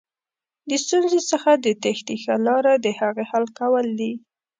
د ستونزې څخه د تېښتې ښه لاره دهغې حل کول دي.